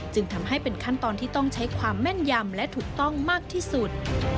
จึงทำให้เป็นขั้นตอนที่ต้องใช้ความแม่นยำและถูกต้องมากที่สุด